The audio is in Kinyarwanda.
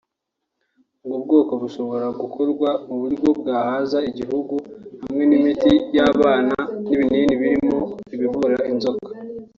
ubwo bwoko bushobora gukorwa ku buryo bwahaza igihugu ; hamwe n’imiti y’abana n’ibinini birimo ibivura inzoka